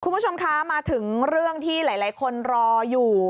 คุณผู้ชมคะมาถึงเรื่องที่หลายคนรออยู่